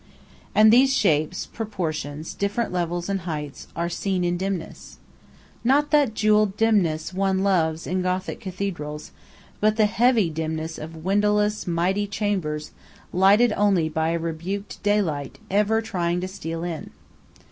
And these shapes, proportions, different levels, and heights, are seen in dimness. Not that jewelled dimness one loves in Gothic cathedrals, but the heavy dimness of windowless, mighty chambers lighted only by a rebuked daylight ever trying to steal in.